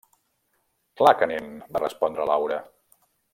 —Clar que anem –va respondre Laura–.